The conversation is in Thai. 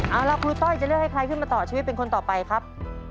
เอาล่ะครูต้อยจะเลือกให้ใครขึ้นมาต่อชีวิตเป็นคนต่อไปครับ